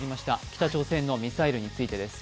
北朝鮮のミサイルについてです。